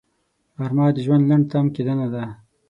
غرمه د ژوند لنډ تم کېدنه ده